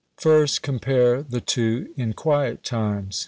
First, compare the two in quiet times.